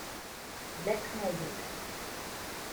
Black Magic